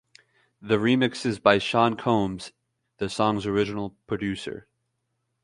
The Remixes by Sean Combs, the song's original producer.